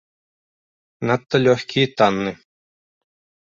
Надта лёгкі і танны.